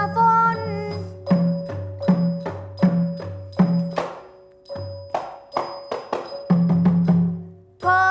ธรรมดา